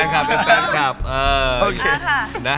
ใครเป็นใคร